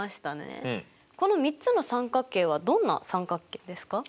この３つの三角形はどんな三角形ですか？